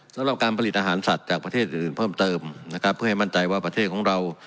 สำหรับการผลิตอาหารสัตว์จากประเทศอื่นอื่นเพิ่มเติมนะครับเพื่อให้มั่นใจว่าประเทศของเรา